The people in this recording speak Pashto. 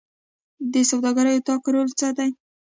د سوداګرۍ اتاق رول څه دی؟